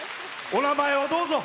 お名前を、どうぞ。